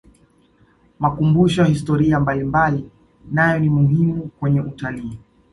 makumbusho ya historia mbalimbali nayo ni muhimu kwenye utalii